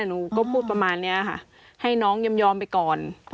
หนูก็พูดประมาณนี้ค่ะให้น้องยอมไปก่อน